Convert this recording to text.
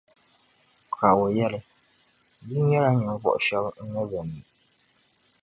Ka o yεli, Yi nyɛla ninvuɣu shεba n ni bi mi.”